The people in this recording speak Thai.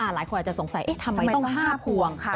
หลายคนอาจจะสงสัยทำไมต้อง๕พวง